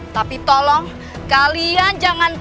tapi tolong kalian jangan